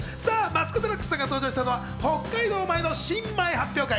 マツコ・デラックスさんが登場したのは北海道米の新米発表会。